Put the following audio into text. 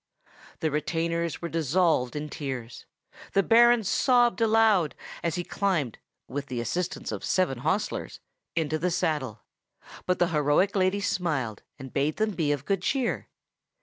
The retainers were dissolved in tears; the Baron sobbed aloud as he climbed, with the assistance of seven hostlers, into the saddle; but the heroic lady smiled, and bade them be of good cheer.